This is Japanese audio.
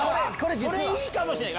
それいいかもしれない！